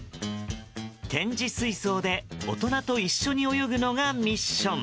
展示水槽で大人と一緒に泳ぐのがミッション。